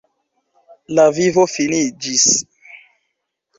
La vivo finiĝis.